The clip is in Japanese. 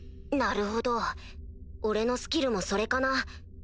なるほど俺のスキルもそれかな。